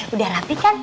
udah rapih kan